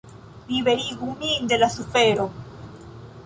Liberigu min de la sufero!